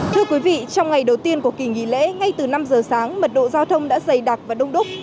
thưa quý vị trong ngày đầu tiên của kỳ nghỉ lễ ngay từ năm giờ sáng mật độ giao thông đã dày đặc và đông đúc